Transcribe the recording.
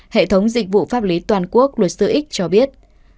hệ thống dịch vụ pháp lý toàn quốc luật x cho biết